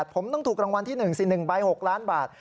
ผมต้องถูกรางวัลที่๑๔๑ใบ๖ล้านบาท